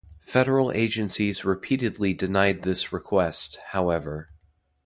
Federal agencies repeatedly denied this request, however.